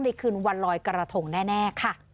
คืนวันลอยกระทงแน่ค่ะ